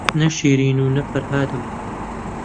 نە شیرین و نە فەرهادم